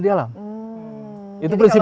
di alam itu prinsip